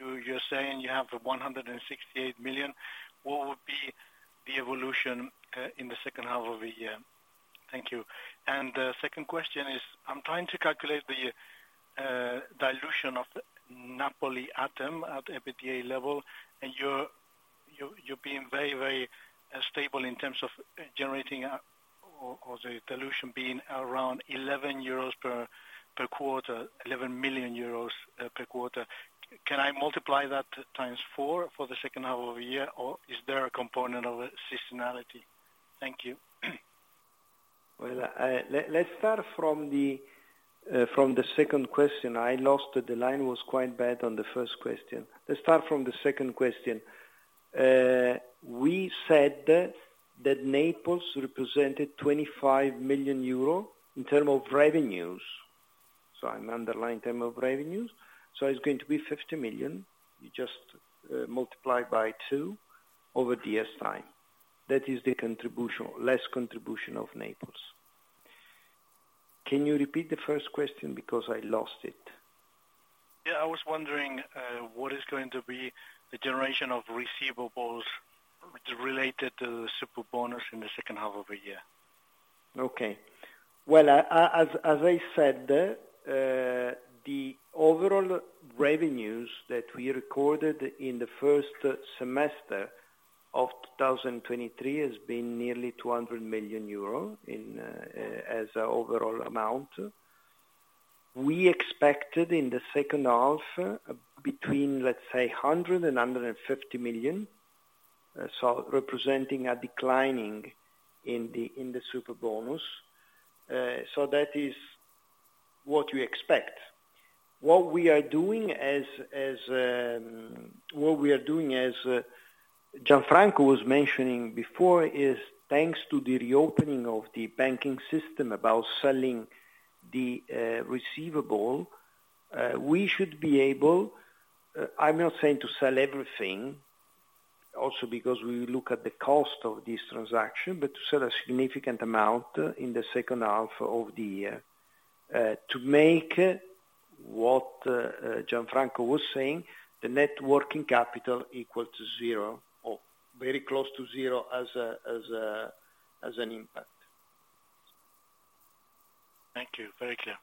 Speaker 10: You're saying you have 168 million. What would be the evolution in the second half of the year? Thank you. The second question is, I'm trying to calculate the dilution of Napoli atom at the EBITDA level, you're being very stable in terms of generating or the dilution being around 11 million euros per quarter. Can I multiply that x4 for the second half of the year, or is there a component of seasonality? Thank you.
Speaker 3: Well, let's start from the second question. I lost it. The line was quite bad on the first question. Let's start from the second question. We said that Naples represented 25 million euro in term of revenues. I'm underlying term of revenues, so it's going to be 50 million. You just multiply by two over the S time. That is the contribution, less contribution of Naples. Can you repeat the first question because I lost it?
Speaker 10: I was wondering, what is going to be the generation of receivables related to the Superbonus in the second half of the year?
Speaker 3: Okay. Well, as I said, the overall revenues that we recorded in the first semester of 2023 has been nearly 200 million euro in as a overall amount. We expected in the second half, between, let's say, 100 million and 150 million, representing a declining in the Superbonus. That is what you expect. What we are doing, Gianfranco was mentioning before, is thanks to the reopening of the banking system about selling the receivable, we should be able, I'm not saying to sell everything, also because we look at the cost of this transaction, but to sell a significant amount in the second half of the year, to make what Gianfranco was saying, the net working capital equal to zero or very close to zero as an impact.
Speaker 10: Thank you. Very clear.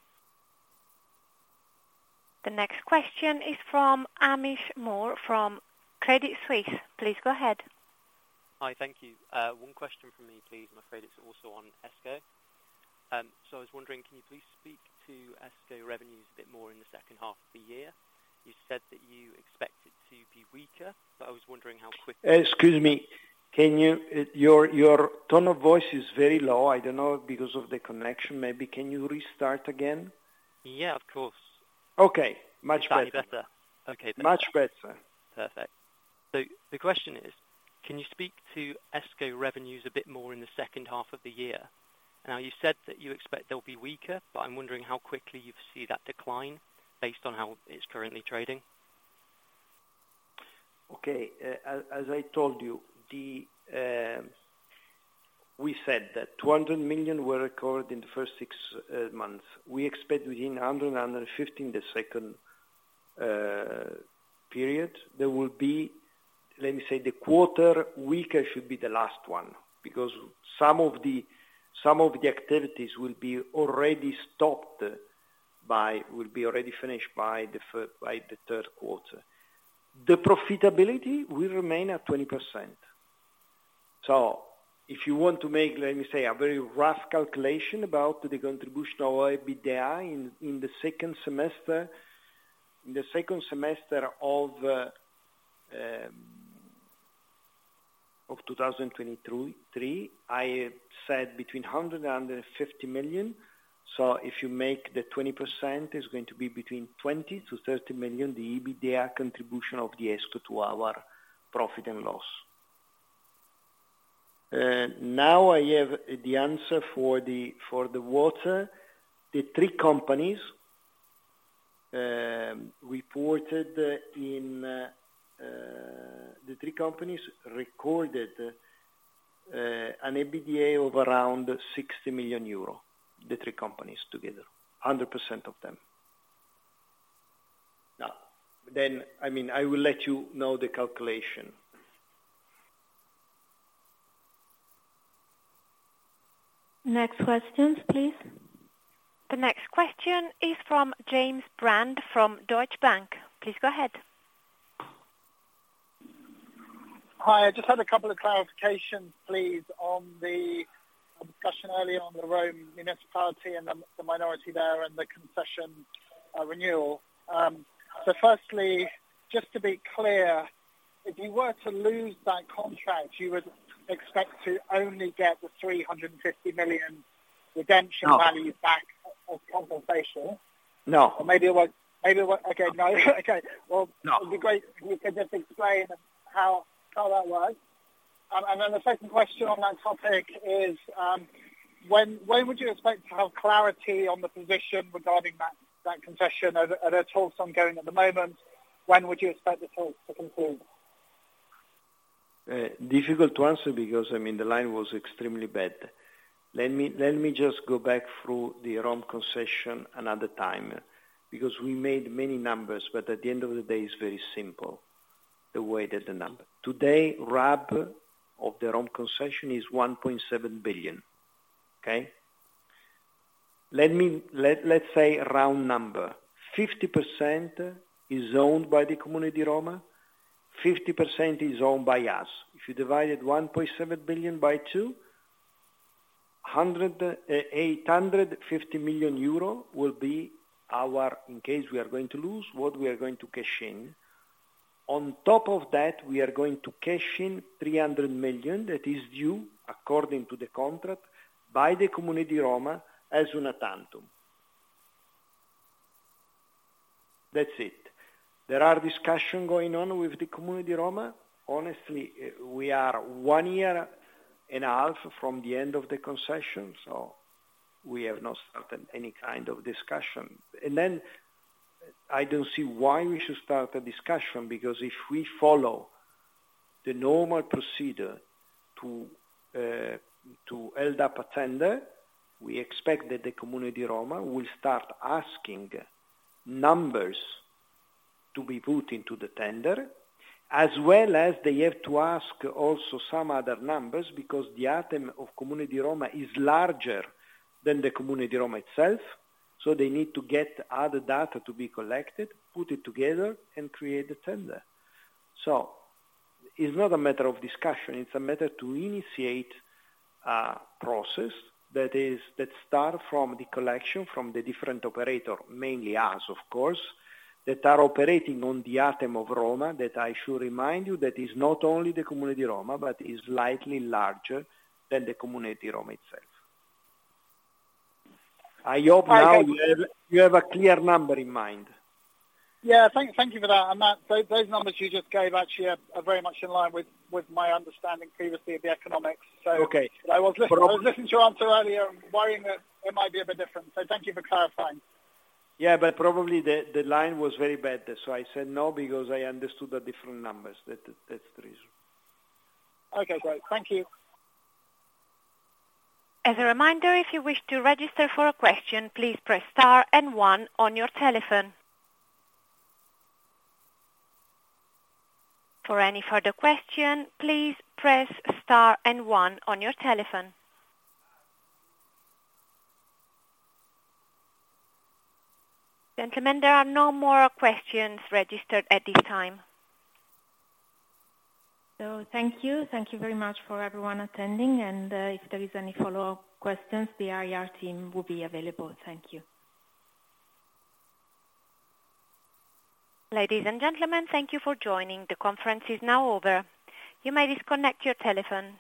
Speaker 1: The next question is from Amish Moore from Credit Suisse. Please go ahead.
Speaker 11: Hi, thank you. One question from me, please. I'm afraid it's also on ESCo. I was wondering, can you please speak to ESCo revenues a bit more in the second half of the year? You said that you expect it to be weaker. I was wondering how.
Speaker 3: Excuse me. Can you. Your tone of voice is very low. I don't know, because of the connection, maybe. Can you restart again?
Speaker 11: Yeah, of course.
Speaker 3: Okay, much better.
Speaker 11: Is that any better? Okay.
Speaker 3: Much better.
Speaker 11: Perfect. The question is, can you speak to ESCo revenues a bit more in the second half of the year? You said that you expect they'll be weaker, but I'm wondering how quickly you see that decline based on how it's currently trading.
Speaker 3: Okay. As I told you, we said that 200 million were recorded in the first six months. We expect within 100 million and 150 million in the second period, there will be, let me say, the quarter weaker should be the last one, because some of the activities will be already stopped by, will be already finished by the third quarter. The profitability will remain at 20%. If you want to make, let me say, a very rough calculation about the contribution of EBITDA in the second semester. In the second semester of 2023, I said between 100 million and 150 million. If you make the 20%, it's going to be between 20 million-30 million, the EBITDA contribution of the ESCo to our profit and loss. Now I have the answer for the water. The three companies recorded an EBITDA of around 60 million euro, the three companies together, 100% of them. I will let you know the calculation.
Speaker 1: Next questions, please. The next question is from James Brand, from Deutsche Bank. Please go ahead.
Speaker 12: Hi, I just had a couple of clarifications, please, on the discussion earlier on the Rome municipality and the minority there and the concession, renewal. Firstly, just to be clear, if you were to lose that contract, you would expect to only get the 350 million redemption value?
Speaker 3: No.
Speaker 12: back as compensation?
Speaker 3: No.
Speaker 12: maybe it was. Okay, no. Okay.
Speaker 3: No.
Speaker 12: Well, it'd be great if you could just explain how that works. The second question on that topic is, when would you expect to have clarity on the position regarding that concession? Are there talks ongoing at the moment? When would you expect the talks to conclude?
Speaker 3: Difficult to answer, because, I mean, the line was extremely bad. Let me just go back through the Rome Concession another time. We made many numbers, at the end of the day, it's very simple, the way that the number. Today, RAB of the Rome Concession is 1.7 billion. Okay? Let's say a round number. 50% is owned by the Comune di Roma, 50% is owned by us. If you divided 1.7 billion by 2, 850 million euro will be our, in case we are going to lose, what we are going to cash in. On top of that, we are going to cash in 300 million that is due, according to the contract, by the Comune di Roma as una tantum. That's it. There are discussion going on with the Comune di Roma. Honestly, we are one year and a half from the end of the concession, we have not started any kind of discussion. I don't see why we should start a discussion, because if we follow the normal procedure to held up a tender, we expect that the Comune di Roma will start asking numbers to be put into the tender, as well as they have to ask also some other numbers, because the ATEM of Comune di Roma is larger than the Comune di Roma itself, so they need to get other data to be collected, put it together, and create the tender. It's not a matter of discussion, it's a matter to initiate a process that is, that start from the collection, from the different operator, mainly us, of course, that are operating on the ATEM of Roma, that I should remind you, that is not only the Comune di Roma, but is slightly larger than the Comune di Roma itself. I hope now.
Speaker 12: Thank you.
Speaker 3: You have a clear number in mind.
Speaker 12: Yeah. Thank you for that. That, those numbers you just gave actually are very much in line with my understanding previously of the economics.
Speaker 3: Okay.
Speaker 12: I was listening to your answer earlier and worrying that it might be a bit different. Thank you for clarifying.
Speaker 3: Yeah, probably the line was very bad, so I said no, because I understood the different numbers. That's the reason.
Speaker 12: Okay, great. Thank you.
Speaker 1: As a reminder, if you wish to register for a question, please press star and one on your telephone. For any further question, please press star and one on your telephone. Gentlemen, there are no more questions registered at this time.
Speaker 2: Thank you. Thank you very much for everyone attending, and if there is any follow-up questions, the IR team will be available. Thank you.
Speaker 1: Ladies and gentlemen, thank you for joining. The Conference is now over. You may disconnect your telephone.